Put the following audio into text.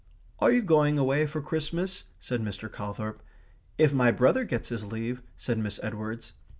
"Are you going away for Christmas?" said Mr. Calthorp. "If my brother gets his leave," said Miss Edwards.